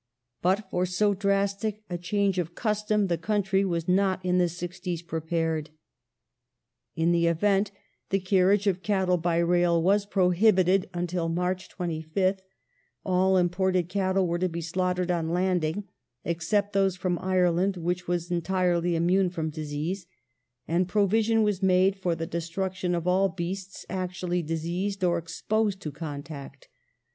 But for so drastic a change of custom the country was not in the 'sixties prepared. In the event, the carnage of cattle by rail was prohibited until March 25th ; all imported cattle were to be slaughtered on landing, except those from Ireland, which was entirely immune from disease, and provision was made for the destruction of all beasts actually diseased or exposed to contact.